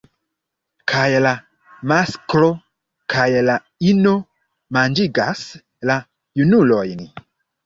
Kaj la masklo kaj la ino manĝigas la junulojn.